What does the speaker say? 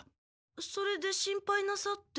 それで心配なさって。